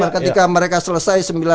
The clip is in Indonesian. ketika mereka selesai